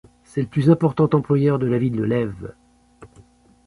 C'est le plus important employeur de la ville de Lèves.